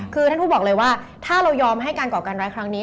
คือท่านพูดบอกเลยว่าถ้าเรายอมให้การก่อการร้ายครั้งนี้